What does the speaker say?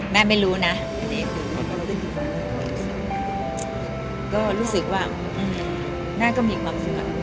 แม่ไม่รู้นะอันนี้ก็รู้สึกว่าน่าก็มีความสวย